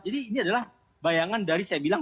jadi ini adalah bayangan dari saya bilang